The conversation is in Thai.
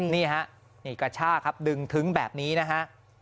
นี่ฮะนี่กระชากครับดึงทึ้งแบบนี้นะฮะ